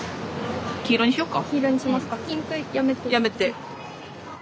やめて。